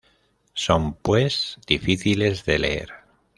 Son, pues, difíciles de leer.